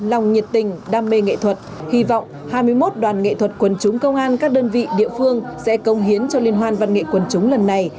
lòng nhiệt tình đam mê nghệ thuật hy vọng hai mươi một đoàn nghệ thuật quần chúng công an các đơn vị địa phương sẽ công hiến cho liên hoan văn nghệ quần chúng lần này